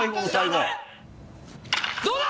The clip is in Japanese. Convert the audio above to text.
どうだ？